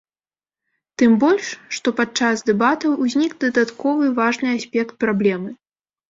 Тым больш, што падчас дэбатаў узнік дадатковы важны аспект праблемы.